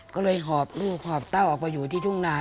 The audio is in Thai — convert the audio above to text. ก็เลยหอบลูกหอบเต้าออกไปอยู่ที่ทุ่งนา